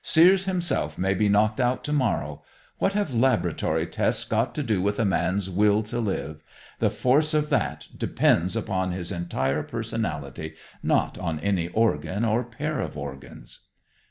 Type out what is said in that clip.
Seares himself may be knocked out tomorrow. What have laboratory tests got to do with a man's will to live? The force of that depends upon his entire personality, not on any organ or pair of organs."